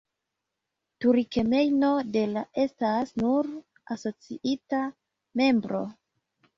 Turkmenio de la estas nur asociita membro.